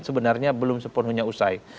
sebenarnya belum sepenuhnya usai